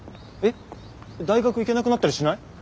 えっ大学行けなくなったりしない？